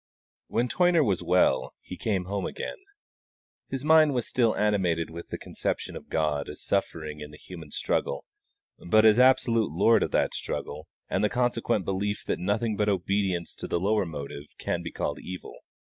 When Toyner was well he came home again. His mind was still animated with the conception of God as suffering in the human struggle, but as absolute Lord of that struggle, and the consequent belief that nothing but obedience to the lower motive can be called evil.